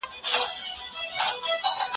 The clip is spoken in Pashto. مهرباني وکړئ ښوونځي پرانیزئ.